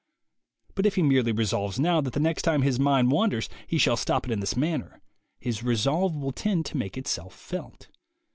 But if he merely resolves now that the next time his mind wanders he shall stop it in this manner, his resolve will tend to make itself felt.